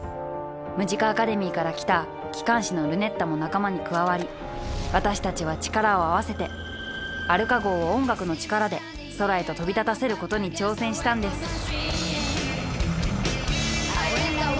ムジカ・アカデミーから来た機関士のルネッタも仲間に加わり私たちは力を合わせてアルカ号を音楽の力で空へと飛び立たせることに挑戦したんです